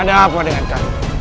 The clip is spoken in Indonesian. ada apa dengan kami